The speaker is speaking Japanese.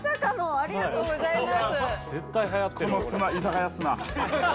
ありがとうございます！